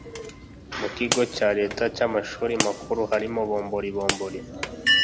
mu Kigo cya Leta cy Amashuri makuru harimo bombori bombori